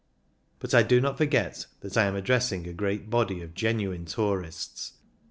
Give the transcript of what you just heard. But I do not forget that I am addressing a great body of genuine tour ists.